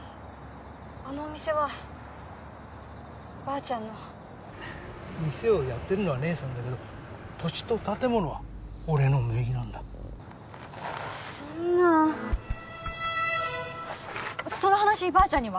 あのお店はばあちゃんの店をやってるのは姉さんだけど土地と建物は俺の名義なんだそんなその話ばあちゃんには？